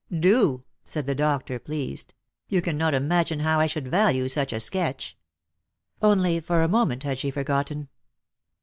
" Do," said the doctor, pleased ;" you cannot imagine how I should value such a sketch." Only for a moment had she forgotten.